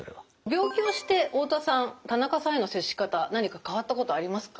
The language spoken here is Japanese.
病気をして太田さん田中さんへの接し方何か変わったことありますか？